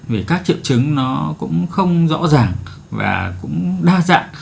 vì các triệu chứng nó cũng không rõ ràng và cũng đa dạng